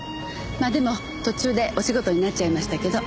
まあでも途中でお仕事になっちゃいましたけど。